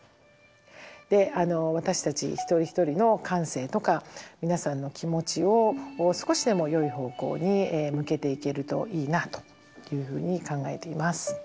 私たち一人一人の感性とか皆さんの気持ちを少しでもよい方向に向けていけるといいなというふうに考えています。